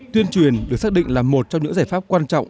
tuyên truyền được xác định là một trong những giải pháp quan trọng